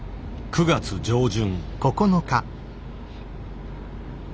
９月上旬。